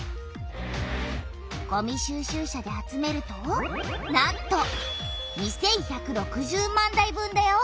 ごみ収集車で集めるとなんと２１６０万台分だよ！